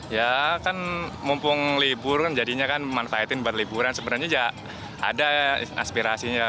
ya kan mumpung libur kan jadinya kan memanfaatin buat liburan sebenarnya aja ada aspirasinya